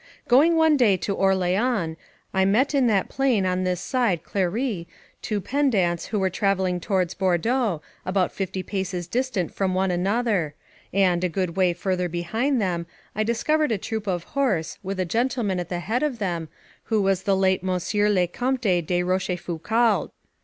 Going one day to Orleans, I met in that plain on this side Clery, two pedants who were travelling towards Bordeaux, about fifty paces distant from one another; and, a good way further behind them, I discovered a troop of horse, with a gentleman at the head of them, who was the late Monsieur le Comte de la Rochefoucauld.